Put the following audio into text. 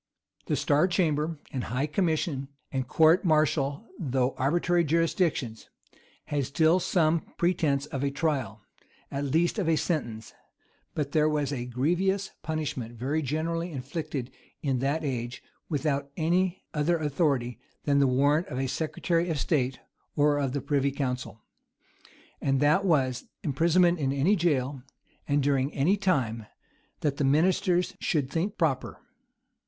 [] The star chamber, and high commission, and court martial, though arbitrary jurisdictions, had still some pretence of a trial, at least of a sentence; but there was a grievous punishment very generally inflicted in that age, without any other authority than the warrant of a secretary of state or of the privy council;[] and that was, imprisonment in any jail, and during any time, that the ministers should think proper.